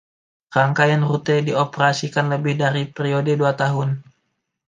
Rangkaian rute dioperasikan lebih dari periode dua tahun.